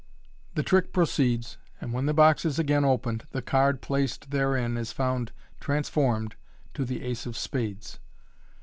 The trick proceeds, and when the box is again opened, the card placed therein is found transformed to the ace of spades.